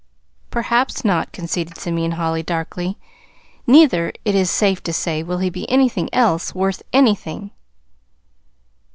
"Perhaps not," conceded Simeon Holly darkly. "Neither, it is safe to say, will he be anything else worth anything."